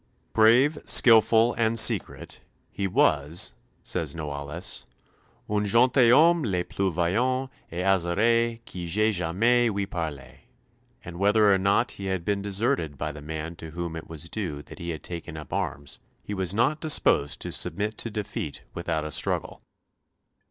Brave, skilful, and secret, he was, says Noailles, "un gentilhomme le plus vaillant et assuré que j'ai jamais ouï parler"; and whether or not he had been deserted by the man to whom it was due that he had taken up arms, he was not disposed to submit to defeat without a struggle.